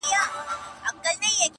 سپی دي څنکه ښخوی د مړو خواته,